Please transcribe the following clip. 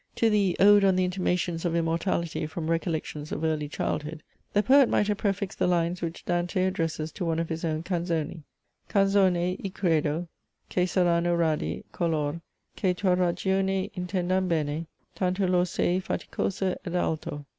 To the "Ode on the Intimations of Immortality from Recollections of early Childhood" the poet might have prefixed the lines which Dante addresses to one of his own Canzoni "Canzone, i' credo, che saranno radi Color, che tua ragione intendan bene, Tanto lor sei faticoso ed alto."